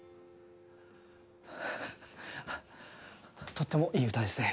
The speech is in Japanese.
とってもいい歌ですね。